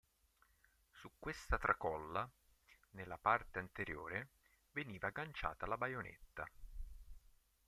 Su questa tracolla, nella parte anteriore, veniva agganciata la baionetta.